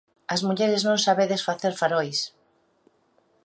As mulleres non sabedes facer farois.